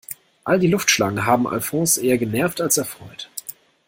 All die Luftschlangen haben Alfons eher genervt als erfreut.